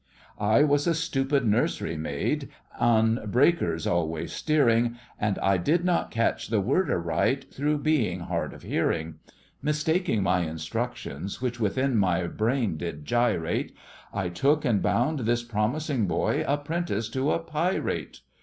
I was a stupid nurs'rymaid, on breakers always steering, And I did not catch the word aright, through being hard of hearing; Mistaking my instructions, which within my brain did gyrate, I took and bound this promising boy apprentice to a pirate.